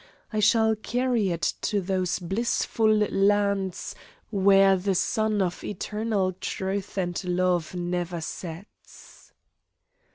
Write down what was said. I shall carry it to those blissful lands where the sun of eternal truth and love never sets."